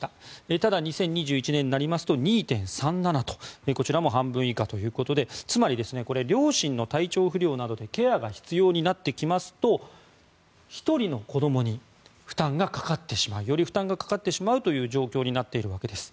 ただ、２０２１年には２．３７人とこちらも半分以下ということでつまり両親の体調不良などでケアが必要になってきますと１人の子どもにより負担がかかってしまう状況になっているわけです。